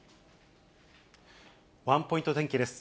ワンポイント天気です。